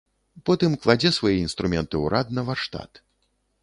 Потым кладзе свае інструменты ў рад на варштат.